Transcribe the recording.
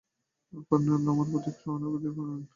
Colonel আমার প্রতি খুবই সহানুভূতিপরায়ণ।